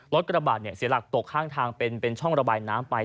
กระบาดเสียหลักตกข้างทางเป็นช่องระบายน้ำไป